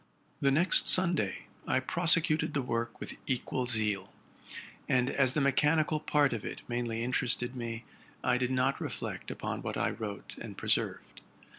The next Sunday I prosecuted the work with equal zeal ; and, as the mechanical part of it mainly interested me, I did not reflect upon what I wrote and preserved.